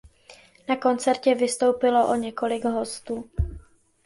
Na koncertě vystoupilo o několik hostů.